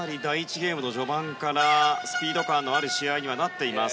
ゲームの序盤からスピード感のある試合にはなっています。